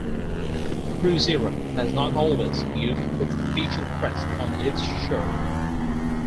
Cruzeiro has not always used its official crest on its shirt.